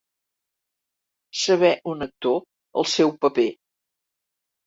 Saber un actor el seu paper.